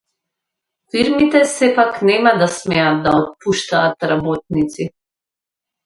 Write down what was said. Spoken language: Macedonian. Фирмите сепак нема да смеат да отпуштаат работници